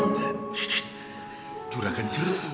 shh duragan jeruk